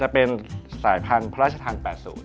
เสร็จสายพันธุ์พระราชธรรมอที่๘๐